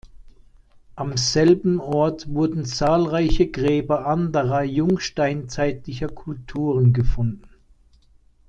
Am selben Ort wurden zahlreiche Gräber anderer, jungsteinzeitlicher Kulturen gefunden.